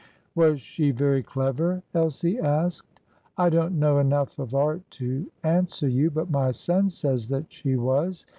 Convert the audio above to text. "Was she very clever?" Elsie asked. "I don't know enough of art to answer you; but my son says that she was.